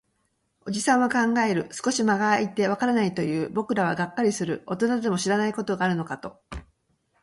おじさんは考える。少し間が空いて、わからないと言う。僕らはがっかりする。大人でも知らないことがあるのかと。